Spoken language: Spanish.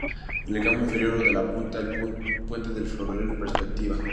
En el campo inferior o de la punta, el puente del ferrocarril en perspectiva.